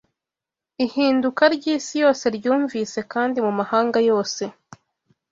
Ihinduka ryisi yose ryumvise, Kandi mumahanga yose